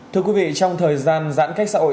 thưa quý vị trong thời gian giãn cách xã hội